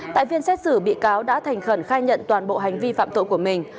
tại phiên xét xử bị cáo đã thành khẩn khai nhận toàn bộ hành vi phạm tội của mình